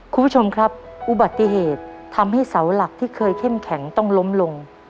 คุณผู้ชมครับอุบัติเหตุทำให้เสาหลักที่เคยเข้มแข็งต้องล้มลง